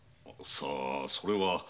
さぁそれは。